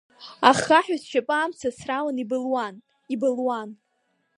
Аххаҳәа сшьапы амца ацраланы ибылуан, ибылуан.